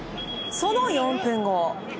その４分後。